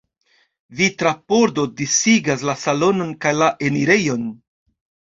Vitra pordo disigas la salonon kaj la enirejon.